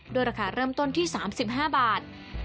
ราคาเริ่มต้นที่๓๕บาท